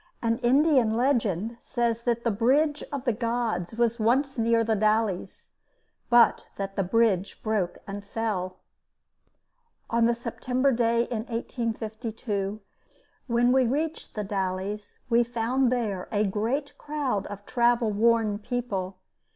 An Indian legend says that the Bridge of the Gods was once near The Dalles, but that the bridge broke and fell. On the September day in 1852 when we reached The Dalles, we found there a great crowd of travel worn people.